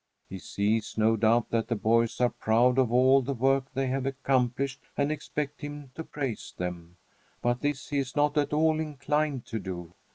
He sees, no doubt, that the boys are proud of all the work they have accomplished and expect him to praise them; but this he is not at all inclined to do.